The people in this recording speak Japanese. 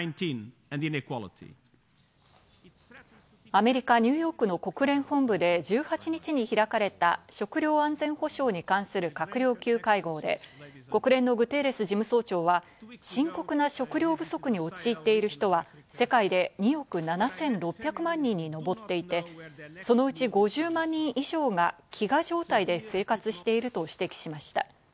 アメリカ・ニューヨークの国連本部で１８日に開かれた食料安全保障に関する閣僚級会合で、国連のグテーレス事務総長は、深刻な食糧不足に陥っている人は世界で２億７６００万人に上っていて、そのうち５０万人以上が飢餓状態で生活していると指摘しました。